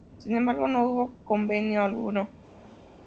Sin embargo no hubo convenio alguno.